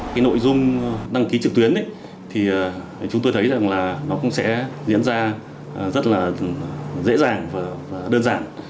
cái nội dung đăng ký trực tuyến thì chúng tôi thấy rằng là nó cũng sẽ diễn ra rất là dễ dàng và đơn giản